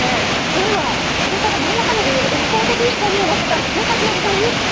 では田中がなんらかの理由で一方的に恨みを持ってたんですね城さんに。